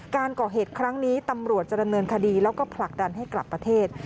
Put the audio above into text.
การก่อเหตุครั้งนี้ตำรวจจะดำเนินคดีแล้วก็ผลักดันให้กลับประเทศ